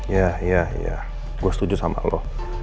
ya ya ya gue setuju sama lo